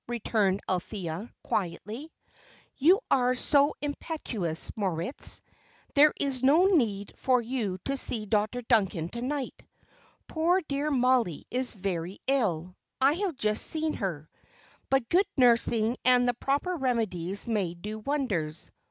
returned Althea, quietly. "You are so impetuous, Moritz. There is no need for you to see Dr. Duncan to night. Poor dear Mollie is very ill I have just seen her; but good nursing and the proper remedies may do wonders.